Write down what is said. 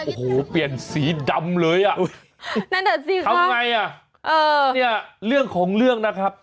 โอ้โหเปลี่ยนสีดำเลยอ่ะทำไงอ่ะเนี่ยเรื่องของเรื่องนะครับ